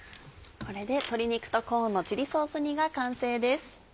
これで「鶏肉とコーンのチリソース煮」が完成です。